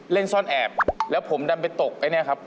เล่นซ่อนแอบแล้วผมดันไปตกไอ้เนี่ยครับ